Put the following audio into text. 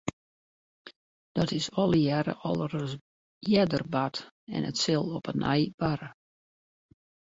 Dat is allegearre al ris earder bard en it sil op 'e nij barre.